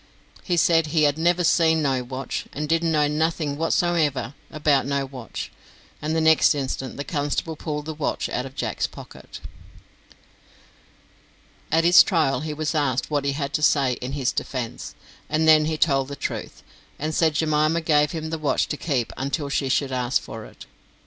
He said he "had never seen no watch, and didn't know nothing whatsomever about no watch," and the next instant the constable pulled the watch out of Jack's pocket. At his trial he was asked what he had to say in his defence, and then he told the truth, and said Jemima gave him the watch to keep until she should ask for it.